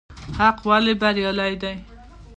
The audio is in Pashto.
حق ولې بريالی دی؟